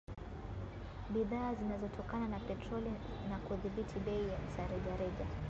bidhaa zinazotokana na petroli na kudhibiti bei za rejareja